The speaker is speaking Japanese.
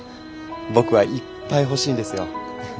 僕はいっぱい欲しいんですよ。